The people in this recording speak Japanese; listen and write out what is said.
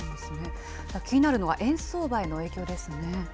気になるのは、円相場への影響ですね。